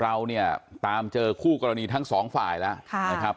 เราเนี่ยตามเจอคู่กรณีทั้งสองฝ่ายแล้วนะครับ